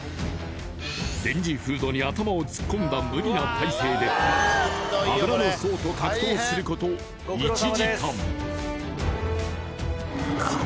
レンジフードに頭を突っ込んだ無理な体勢で油の層と格闘すること１時間。